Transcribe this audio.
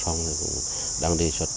trong đó cũng đang đề xuất